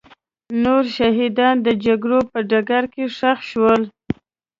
نور شهیدان د جګړې په ډګر کې ښخ شول.